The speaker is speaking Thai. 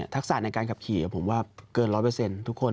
ศาสตร์ในการขับขี่ผมว่าเกิน๑๐๐ทุกคน